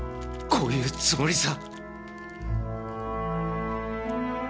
こういうつもりさ。